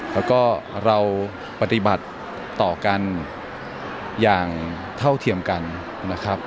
แล้วก็เราปฏิบัติต่อกันอย่างเท่าเทียมกันนะครับ